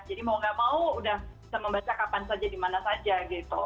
jadi mau nggak mau sudah bisa membaca kapan saja dimana saja gitu